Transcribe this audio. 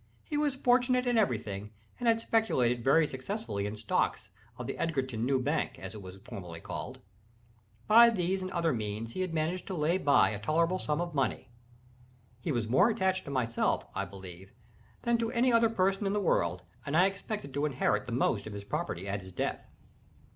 He was fortunate in every thing, and had speculated very successfully in stocks of the Edgarton New Bank, as it was formerly called. By these and other means he had managed to lay by a tolerable sum of money. He was more attached to myself, I believe, than to any other person in the world, and I expected to inherit the most of his property at his death.